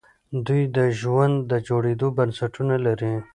دوی د ژوند د جوړېدو بنسټونه لري.